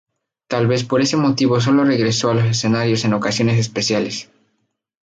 Tal vez por ese motivo solo regresó a los escenarios en ocasiones especiales.